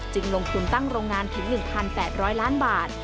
ลงทุนตั้งโรงงานถึง๑๘๐๐ล้านบาท